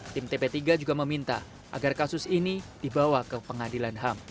tim tp tiga juga meminta agar kasus ini dibawa ke pengadilan ham